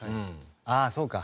ああそうか。